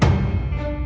jadi gimana dong